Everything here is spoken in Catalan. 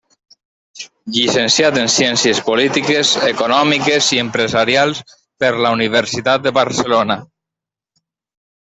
Llicenciat en ciències polítiques, econòmiques i empresarials per la Universitat de Barcelona.